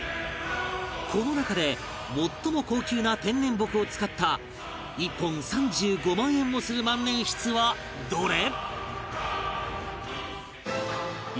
この中で最も高級な天然木を使った１本３５万円もする万年筆はどれ？